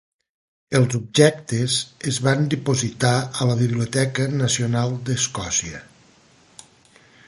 Els objectes es van dipositar a la Biblioteca Nacional d'Escòcia.